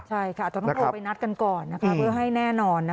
ใช่ค่ะจะต้องไปนัดกันก่อนเพื่อให้แน่นอน